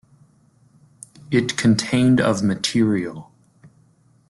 It contained of material.